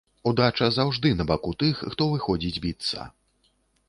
Удача заўжды на баку тых, хто выходзіць біцца.